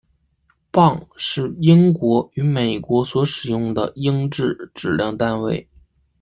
磅是英国与美国所使用的英制质量单位。